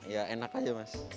ya enak aja mas